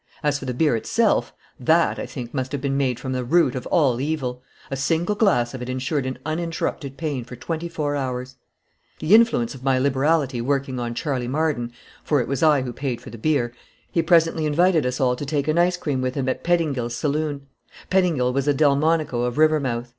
As for the beer itself that, I think, must have been made from the root of all evil! A single glass of it insured an uninterrupted pain for twenty four hours. The influence of my liberality working on Charley Marden for it was I who paid for the beer he presently invited us all to take an ice cream with him at Pettingil's saloon. Pettingil was the Delmonico of Rivermouth.